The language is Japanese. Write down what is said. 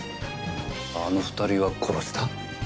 あの２人が殺した？